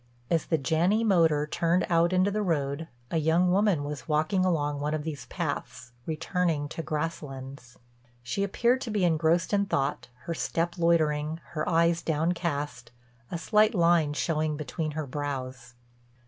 As the Janney motor turned out into the road a young woman was walking along one of these paths, returning to Grasslands. She appeared to be engrossed in thought, her step loitering, her eyes down cast, a slight line showing between her brows.